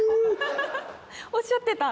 おっしゃってた。